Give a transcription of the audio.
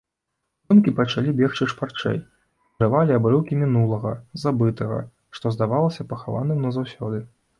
Думкі пачалі бегчы шпарчэй, вырывалі абрыўкі мінулага, забытага, што здавалася пахаваным назаўсёды.